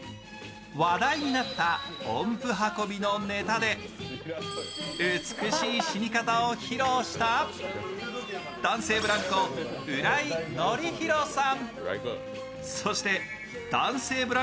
話題になった音符運びのネタで美しい死に方を披露した男性ブランコ・浦井のりひろさん。